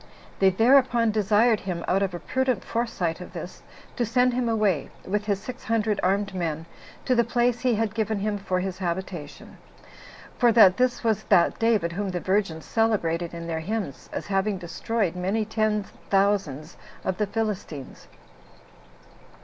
They thereupon desired him, out of a prudent foresight of this, to send him away, with his six hundred armed men, to the place he had given him for his habitation; for that this was that David whom the virgins celebrated in their hymns, as having destroyed many ten thousands of the Philistines.